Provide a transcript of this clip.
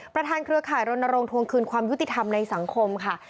เครือข่ายรณรงควงคืนความยุติธรรมในสังคมค่ะ